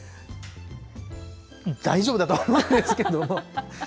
大丈夫だと思うんですけれども。